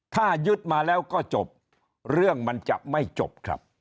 ถ้ายึดมาแล้วก็จบเรื่องมันจะไม่จบครับ